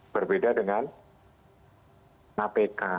berbeda dengan kpk